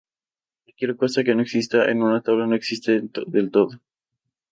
Cualquier cosa que no exista en una tabla no existe del todo.